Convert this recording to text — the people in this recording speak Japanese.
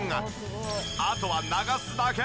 あとは流すだけ。